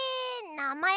なまえ？